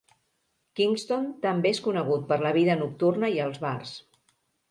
Kingston també és conegut per la vida nocturna i els bars.